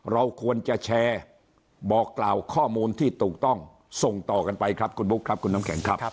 เราควรจะแชร์บอกกล่าวข้อมูลที่ถูกต้องส่งต่อกันไปครับคุณบุ๊คครับคุณน้ำแข็งครับ